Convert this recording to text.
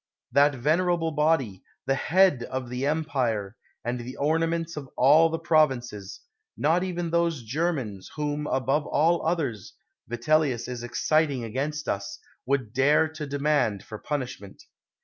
That venerable body, the head of the empire, and the ornaments of all the provinces, not even those Germans, whom, above all others, Vitellius is exciting against us, would dare to demand for punishment.